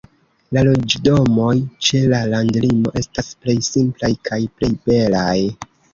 La loĝdomoj ĉe landlimo estas plej simplaj kaj plej belaj.